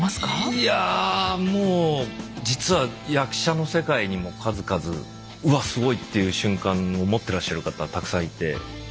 いやもう実は役者の世界にも数々うわすごいっていう瞬間を持ってらっしゃる方はたくさんいて。